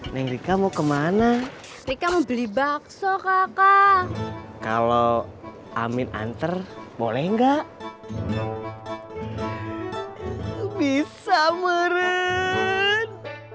menggigamu kemana rika membeli bakso kakak kalau amin antar boleh enggak bisa meren